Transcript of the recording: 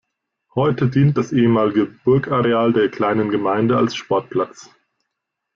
Heute dient das ehemalige Burgareal der kleinen Gemeinde als Sportplatz.